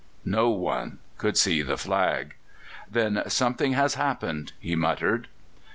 No one could see the flag. "Then something has happened!" he muttered.